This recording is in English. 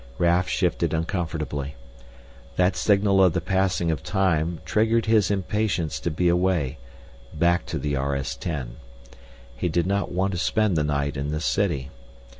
Raf shifted uncomfortably. That signal of the passing of time triggered his impatience to be away back to the RS 10. He did not want to spend the night in this city.